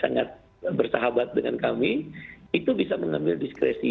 sangat bersahabat dengan kami itu bisa mengambil diskresi